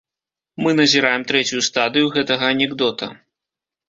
Мы назіраем трэцюю стадыю гэтага анекдота.